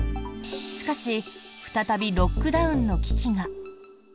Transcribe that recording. しかし再びロックダウンの危機が。